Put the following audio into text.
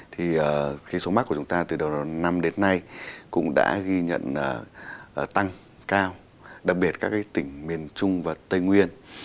thì số mắc của chúng ta từ đầu năm đến nay cũng đã ghi nhận tăng cao đặc biệt các tỉnh miền trung và tây nguyên